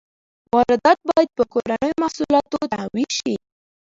واردات باید په کورنیو محصولاتو تعویض شي.